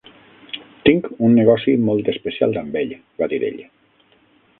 "Tinc un negoci molt especial amb ell, va dir ell.